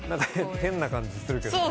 変な感じするけど。